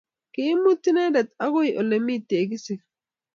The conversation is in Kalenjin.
ki imut inendet akoi ole mi tekisit